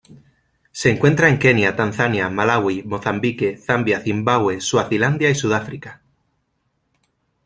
Se encuentra en Kenia Tanzania Malaui Mozambique Zambia Zimbabue Suazilandia y Sudáfrica.